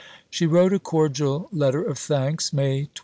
She wrote a cordial letter of thanks (May 25).